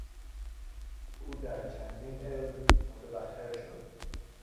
او در چندین علم متبحر شد.